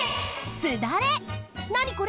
すだれ！